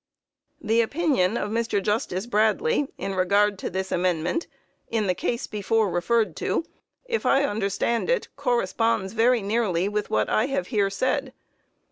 The opinion of Mr. Justice Bradley, in regard to this amendment, in the case before referred to, if I understand it, corresponds very nearly with what I have here said.